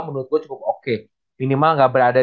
menurut gua cukup oke minimal ga berada